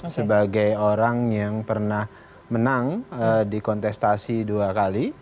sebagai orang yang pernah menang di kontestasi dua kali